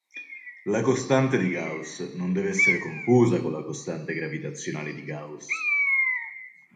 La costante di Gauss non deve essere confusa con la costante gravitazionale di Gauss.